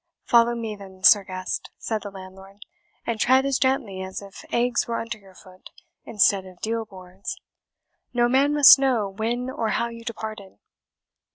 "Follow me, then, Sir Guest," said the landlord, "and tread as gently as if eggs were under your foot, instead of deal boards. No man must know when or how you departed."